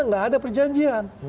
nggak ada perjanjian